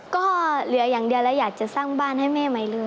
ก็เหลืออย่างเดียวแล้วอยากจะสร้างบ้านให้แม่ใหม่เลย